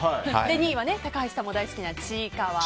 ２位は、高橋さんも大好きな「ちいかわ」。